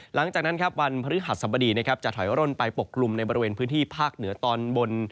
หลังจากนั้นครับวันพฤหัสสบดีนะครับจะถอยร่นไปปกกลุ่มในบริเวณพื้นที่ภาคเหนือตอนบน